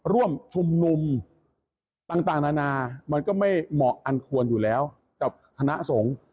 ร่วมชมนมต่างควรอมูลมันก็ไม่เหมาะอันควรกับธนสงสม